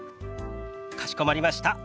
かしこまりました。